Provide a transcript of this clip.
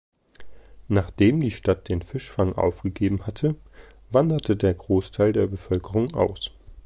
Nachdem die Stadt den Fischfang aufgegeben hatte, wanderte der Großteil der Bevölkerung aus.